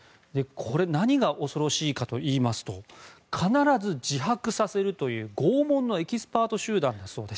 何が恐ろしいかといいますと必ず自白させるという拷問のエキスパート集団だそうです。